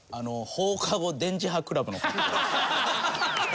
放課後電磁波クラブの格好。